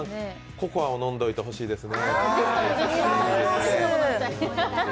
ココアを飲んどいてほしいですね。